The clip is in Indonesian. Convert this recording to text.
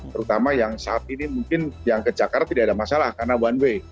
terutama yang saat ini mungkin yang ke jakarta tidak ada masalah karena one way